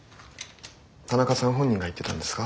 田中さん本人が言ってたんですか？